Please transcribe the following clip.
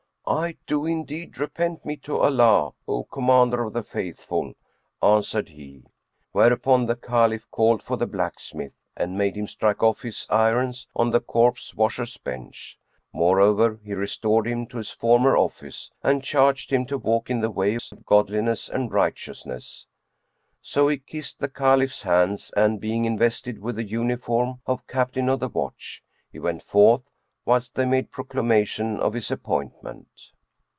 "I do indeed repent me to Allah, O Commander of the Faithful," answered he; whereupon the Caliph called for the blacksmith and made him strike off his irons on the corpse washer's bench.[FN#92] Moreover, he restored him to his former office and charged him to walk in the ways of godliness and righteousness. So he kissed the Caliph's hands and, being invested with the uniform of Captain of the Watch, he went forth, whilst they made proclamation of his appointment.